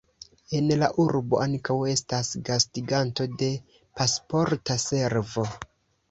En la urbo ankaŭ estas gastiganto de Pasporta Servo.